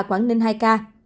quảng ninh hai ca